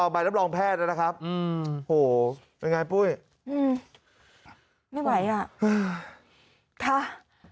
ใบรับรองแพทย์นะครับอืมโหเป็นไงปุ้ยอืมไม่ไหวอ่ะอืมค่ะ